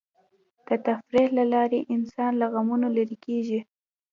د تفریح له لارې انسان له غمونو لرې کېږي.